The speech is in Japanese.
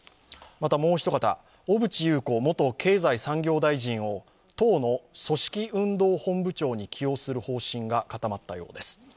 またもう一方、小渕優子元経済産業大臣を党の組織運動本部長に起用する方針が固まったようです。